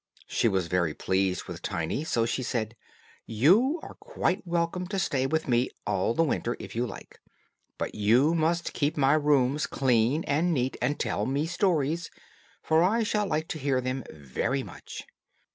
She was very pleased with Tiny, so she said, "You are quite welcome to stay with me all the winter, if you like; but you must keep my rooms clean and neat, and tell me stories, for I shall like to hear them very much."